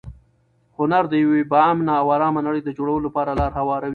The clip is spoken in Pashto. هنر د یوې با امنه او ارامه نړۍ د جوړولو لپاره لاره هواروي.